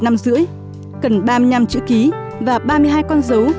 năm rưỡi cần ba mươi năm chữ ký và ba mươi hai con dấu